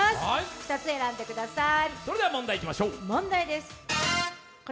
２つ選んでください。